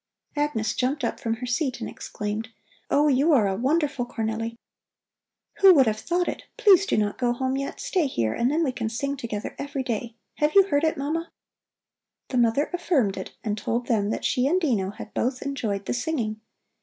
Agnes jumped up from her seat and exclaimed: "Oh, you are a wonderful Cornelli! Who would have thought it? Please do not go home yet. Stay here, and then we can sing together every day. Have you heard it, Mama?" The mother affirmed it and told them that she and Dino had both enjoyed the singing.